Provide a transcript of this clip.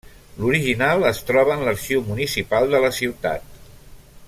L'original es troba en l'Arxiu Municipal de la ciutat.